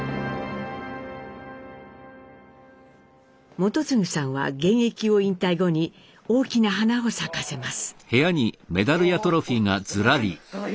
基次さんは現役を引退後に大きな花を咲かせます。